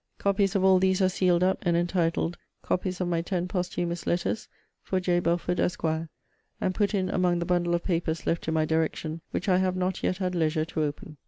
Copies of all these are sealed up, and entitled, Copies of my ten posthumous letters, for J. Belford, Esq.; and put in among the bundle of papers left to my direction, which I have not yet had leisure to open.